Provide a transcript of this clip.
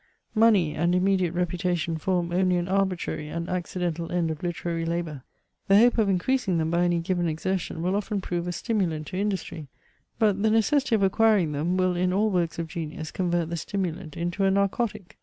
Money, and immediate reputation form only an arbitrary and accidental end of literary labour. The hope of increasing them by any given exertion will often prove a stimulant to industry; but the necessity of acquiring them will in all works of genius convert the stimulant into a narcotic.